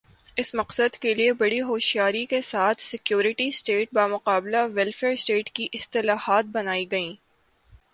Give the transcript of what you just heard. اس مقصد کے لئے بڑی ہوشیاری کے ساتھ سیکورٹی سٹیٹ بمقابلہ ویلفیئر سٹیٹ کی اصطلاحات بنائی گئیں۔